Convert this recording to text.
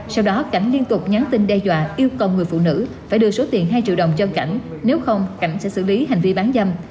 sau đó cảnh liên tục nhắn tin đe dọa yêu cầu người phụ nữ phải đưa số tiền hai triệu đồng cho cảnh nếu không cảnh sẽ xử lý hành vi bán dâm